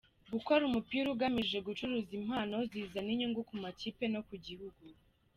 Gukora umupira ugamije gucuruza impano zizana inyungu ku makipe no ku gihugu.